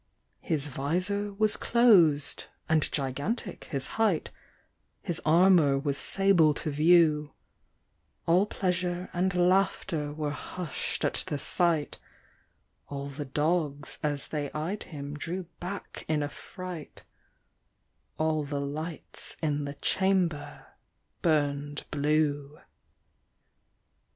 His visor was closed, and gigantic his height, His armour was sable to view; All pleasure and laughter were hushed at the sight, All the dogs as they eyed him drew back in afright, All the lights in the chamber burned blue.